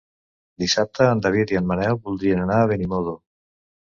Dissabte en David i en Manel voldrien anar a Benimodo.